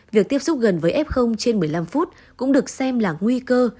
việc tiếp xúc gần với f trên một mươi năm phút cũng được xem là nguy cơ